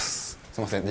すみません。